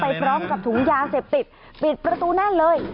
พร้อมกับถุงยาเสพติดปิดประตูแน่นเลย